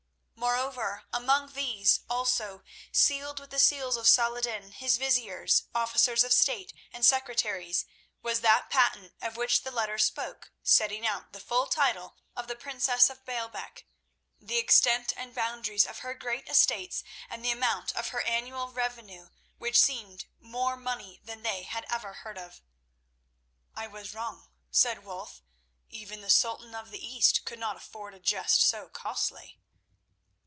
Moreover, among these, also sealed with the seals of Salah ed din, his viziers, officers of state, and secretaries, was that patent of which the letter spoke, setting out the full titles of the Princess of Baalbec; the extent and boundaries of her great estates, and the amount of her annual revenue, which seemed more money than they had ever heard of. "I was wrong," said Wulf. "Even the Sultan of the East could not afford a jest so costly."